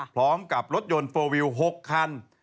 พร้อมกับรถยนต์เฟอร์วิว๖คัน